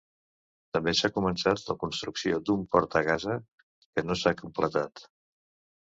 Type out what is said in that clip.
També s'ha començat la construcció d'un port a Gaza, que no s'ha completat.